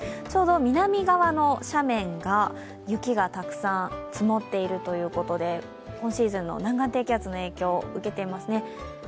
ちょうど南側の斜面が雪がたくさん積もっているということで今シーズンの南岸低気圧の影響を受けていますね。